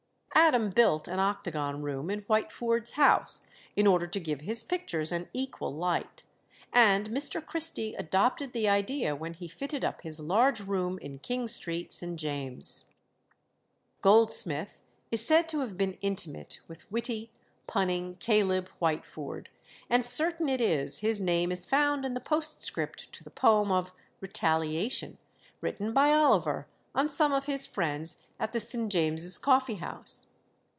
Adam built an octagon room in Whitefoord's house in order to give his pictures an equal light; and Mr. Christie adopted the idea when he fitted up his large room in King Street, St. James's. Goldsmith is said to have been intimate with witty, punning Caleb Whitefoord, and certain it is his name is found in the postscript to the poem of Retaliation, written by Oliver on some of his friends at the St. James's Coffee house.